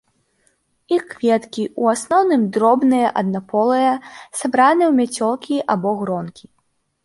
Іх кветкі, у асноўным, дробныя аднаполыя, сабраныя ў мяцёлкі або гронкі.